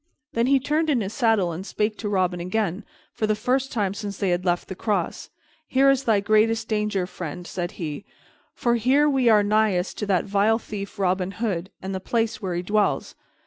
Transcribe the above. Then he turned in his saddle and spake to Robin again, for the first time since they had left the cross. "Here is thy greatest danger, friend," said he, "for here we are nighest to that vile thief Robin Hood, and the place where he dwells.